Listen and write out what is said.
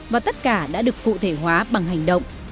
và tất cả đã được cụ thể hóa bằng hành động